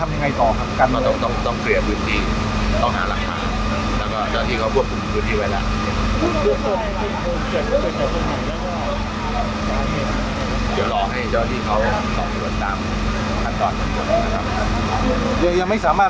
เพราะว่าเมืองนี้จะเป็นที่สุดท้าย